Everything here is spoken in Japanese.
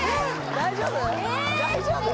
大丈夫？